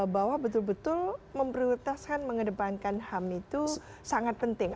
bahwa betul betul memprioritaskan mengedepankan ham itu sangat penting